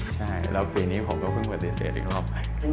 ใช่แล้วปีนี้ผมก็เพิ่งปฏิเสธอีกรอบไป